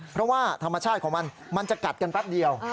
เพราะว่าธรรมชาติของมันมันจะกัดกันแป๊บเดียว